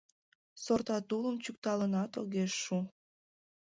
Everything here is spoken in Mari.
Сорта тулым чӱкталынат огеш шу.